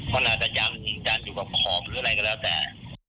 มันอาจจะยำจริงยันอยู่กับขอบหรืออะไรก็แล้วแต่